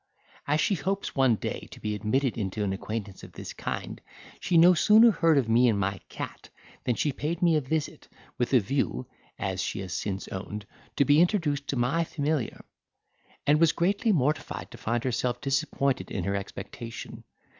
As she hopes one day to be admitted into an acquaintance of this kind, she no sooner heard of me and my cat, than she paid me a visit, with a view, as she has since owned, to be introduced to my familiar; and was greatly mortified to find herself disappointed in her expectation.